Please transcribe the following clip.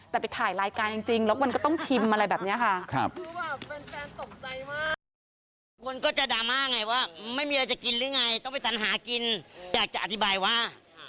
แต่ไปถ่ายรายการจริงแล้วมันก็ต้องชิมอะไรแบบนี้ค่ะ